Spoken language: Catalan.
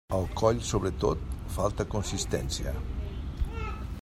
Al coll sobretot, falta consistència.